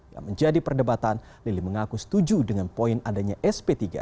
yang menjadi perdebatan lili mengaku setuju dengan poin adanya sp tiga